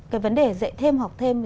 cái vấn đề dạy thêm học thêm